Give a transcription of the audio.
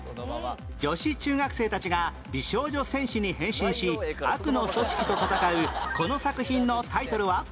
女子中学生たちが美少女戦士に変身し悪の組織と戦うこの作品のタイトルは？